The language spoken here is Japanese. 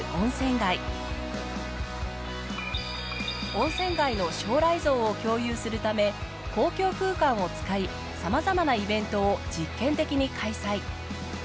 温泉街の将来像を共有するため公共空間を使い様々なイベントを実験的に開催。